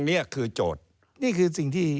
นี่ก็คือสิ่งที่